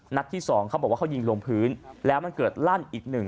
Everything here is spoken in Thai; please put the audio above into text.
ที่สองเขาบอกว่าเขายิงลงพื้นแล้วมันเกิดลั่นอีกหนึ่ง